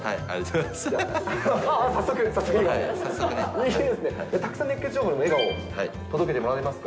いいですね、たくさん熱ケツ情報にも笑顔を届けてもらえますか？